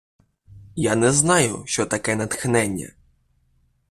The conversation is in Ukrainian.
Я не знаю, що таке натхнення.